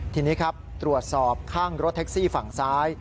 ทีนี้ครับตรวจสอบข้างรถแท็กซี่ฝั่งซ้าย